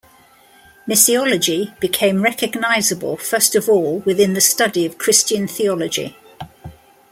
Missiology became recognizable first of all within the study of Christian theology.